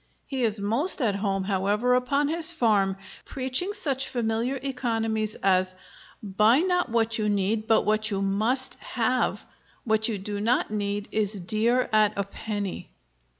He is most at home however upon his farm, preaching such familiar economies as "Buy not what you need, but what you must have: what you do not need is dear at a penny."